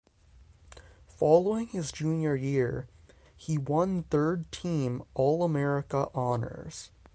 Following his junior year, he won third team All-America honors.